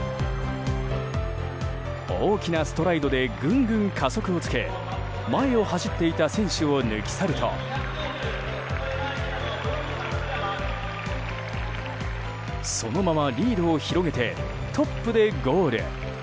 大きなストライドでぐんぐん加速をつけ前を走っていた選手を抜き去るとそのままリードを広げてトップでゴール。